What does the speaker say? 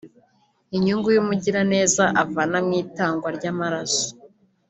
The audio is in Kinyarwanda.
Inyungu umugiraneza avana mu itangwa ry’amaraso